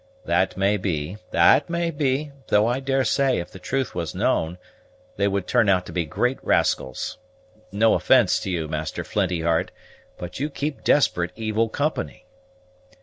"That may be, that may be; though I daresay, if the truth was known, they would turn out to be great rascals. No offence to you, Master Flinty heart, but you keep desperate evil company."